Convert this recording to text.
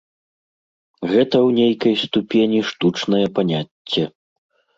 Гэта ў нейкай ступені штучнае паняцце.